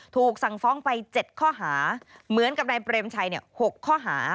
ถูกสั่งฟ้องไป๗ข้อหาเหมือนกับนายเปรมชัย๖ข้อหา